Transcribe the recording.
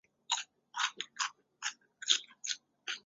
螳䗛是螳䗛目下的肉食性昆虫。